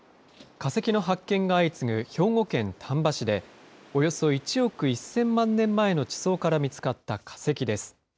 化石の発見が相次ぐ兵庫県丹波市で、およそ１億１０００万年前の地層から見つかった化石です。